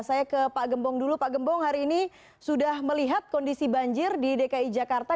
saya ke pak gembong dulu pak gembong hari ini sudah melihat kondisi banjir di dki jakarta